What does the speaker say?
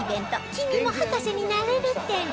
「君も博士になれる展」